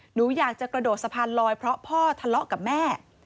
หนูอยากจะกระโดดสะพานลอยเพราะพ่อทะเลาะกับแม่